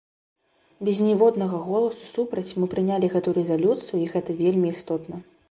Без ніводнага голасу супраць мы прынялі гэту рэзалюцыю і гэта вельмі істотна.